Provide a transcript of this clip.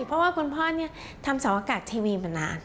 เพราะว่าคุณพ่อเนี่ยทำเสาอากาศทีวีมานาน